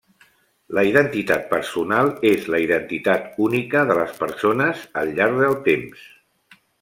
La identitat personal és la identitat única de les persones al llarg del temps.